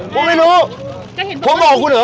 ผมไม่รู้